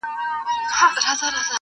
!کابل مه ورانوئ،